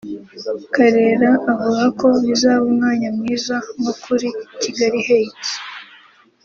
Karera avuga ko bizaba umwanya mwiza nko kuri Kigali Heights